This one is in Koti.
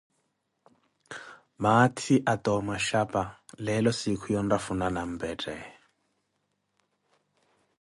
maathi ata omashapa, leelo siikhu ya onrafuna nampetthe.